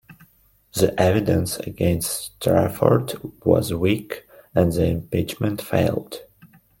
The evidence against Strafford was weak, and the impeachment failed.